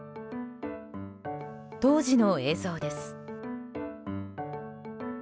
当時の映像です。